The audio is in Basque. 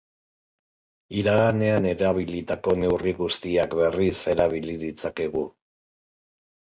Iraganean erabilitako neurri guztiak berriz erabil ditzakegu.